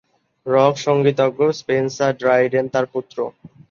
Rock সঙ্গীতজ্ঞ Spencer Dryden তার পুত্র।